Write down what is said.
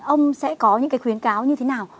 ông sẽ có những cái khuyến cáo như thế nào